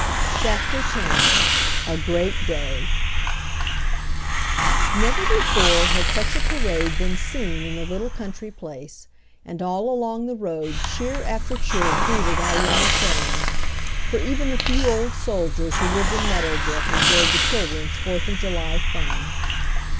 CHAPTER X A GREAT DAY Never before had such a parade been seen in the little country place, and all along the road cheer after cheer greeted our young friends, for even the few old soldiers who lived in Meadow Brook enjoyed the children's Fourth of July fun.